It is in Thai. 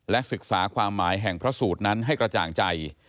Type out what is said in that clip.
ศึกษาความหมายแห่งพระสูตรนั้นให้กระจ่างใจ